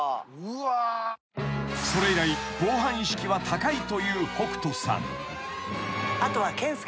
［それ以来防犯意識は高いという北斗さん］